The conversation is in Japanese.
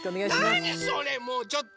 なにそれもうちょっと！